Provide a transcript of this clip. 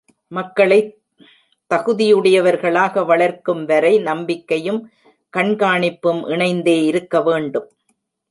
மக்களைத் தகுதியுடையவர்களாக வளர்க்கும் வரை நம்பிக்கையும் கண்காணிப்பும் இணைந்தே இருக்கவேண்டும்.